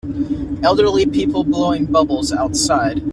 Elderly person blowing bubbles outside.